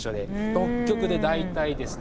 北極で大体ですね